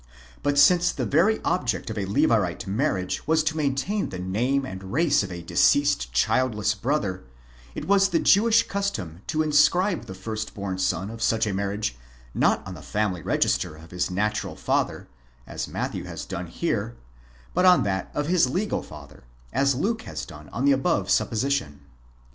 But since the very object ofa Levirate marriage was to maintain the name and race of a deceased childless brother, it was the Jewish custom to inscribe the first born son of such a marriage, not on the family register of his natural father, as Matthew has done here, but on that of his legal father, as Luke has done on the above sup position.